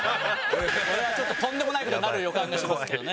これはちょっととんでもない事になる予感がしますけどね。